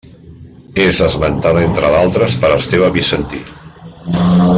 És esmentada entre d'altres per Esteve Bizantí.